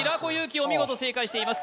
お見事正解しています